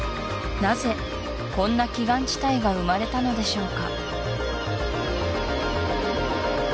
なぜこんな奇岩地帯が生まれたのでしょうか？